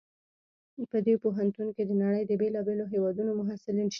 په دې پوهنتون کې د نړۍ د بیلابیلو هیوادونو محصلین شته